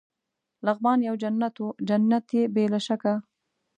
لغمان یو جنت وو، جنت يې بې له شکه.